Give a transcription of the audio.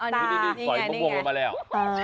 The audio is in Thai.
นี่สอยมะม่วงลงมาแล้ว